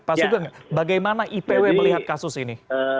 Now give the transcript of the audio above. pak sugeng bagaimana ipw melihat kasus ini